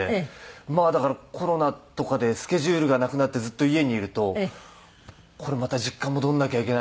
まあだからコロナとかでスケジュールがなくなってずっと家にいるとこれまた実家戻んなきゃいけないのかなっていう。